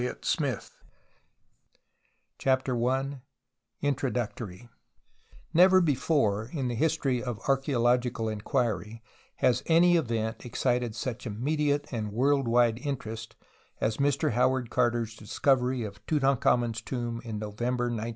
TUTANKHAMEN CHAPTER I INTRODUCTORY Never before in the history of archaeological inquiry has any event excited such immediate and world wide interest as Mr Howard Carter's discovery of Tutankhamen's tomb in November 1922.